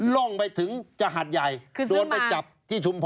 ร่องไปถึงจะหัดใหญ่โดนไปจับที่ชุมพร